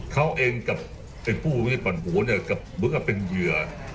เขาเองกับไอ้ผู้ไม่ได้ปั่นหูเนี่ยเหมือนกับเป็นเหยื่อ